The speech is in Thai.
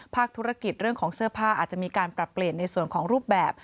ธุรกิจเรื่องของเสื้อผ้าอาจจะมีการปรับเปลี่ยนในส่วนของรูปแบบ